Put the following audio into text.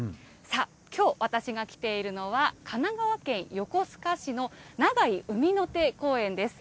きょう、私が来ているのは、神奈川県横須賀市の長井海の手公園です。